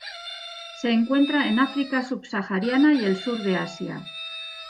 Se encuentra en África subsahariana y el Sur de Asia.